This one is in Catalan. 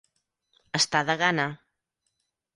Estar de gana.